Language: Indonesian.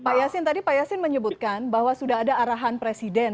pak yasin tadi pak yasin menyebutkan bahwa sudah ada arahan presiden